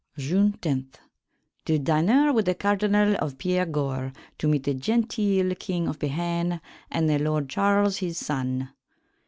June 10. To dyner with the Cardinall of Piergourt to meet the gentyll King of Behayne and the Lorde Charles, his son.